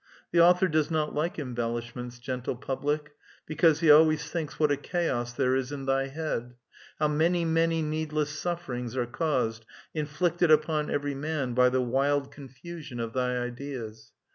The author does not like embellishments, gentle public, because he always thinks what a chaos there is in thy head ; how many, many needless sufferings are caused, inflicted upon every man by the wild confusion of thy ideas.